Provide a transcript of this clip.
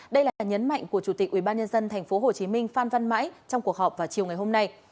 đây là nhấn mạnh của chủ tịch ubnd thành phố hồ chí minh phan văn mãi trong cuộc họp vào chiều ngày hôm nay